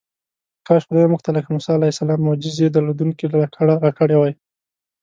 کاش خدای موږ ته لکه موسی علیه السلام معجزې درلودونکې لکړه راکړې وای.